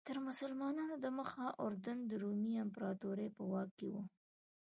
تر مسلمانانو دمخه اردن د رومي امپراتورۍ په واک کې و.